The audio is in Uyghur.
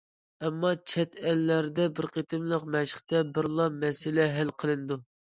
ئەمما چەت ئەللەردە بىر قېتىملىق مەشىقتە بىرلا مەسىلە ھەل قىلىنىدۇ.